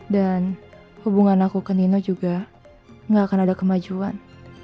dan hubungan aku ke nino juga nggak akan ada kemajuan